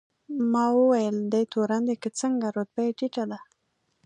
ما وویل: دی تورن دی که څنګه؟ رتبه یې ټیټه ده.